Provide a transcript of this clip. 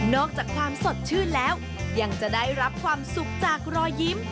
อกจากความสดชื่นแล้วยังจะได้รับความสุขจากรอยยิ้ม